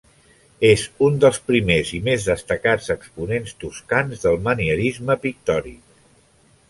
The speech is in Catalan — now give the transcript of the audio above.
És un dels primers i més destacats exponents toscans del manierisme pictòric.